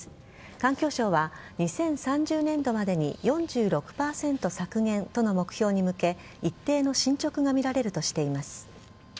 環境省は２０３０年度までに４６％削減との目標に向け一定の進捗が見られるとしています。